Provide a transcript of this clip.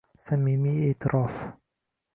Samimiy e’tirof